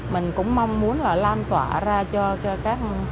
mình cũng mong muốn là lan tỏa ra cho các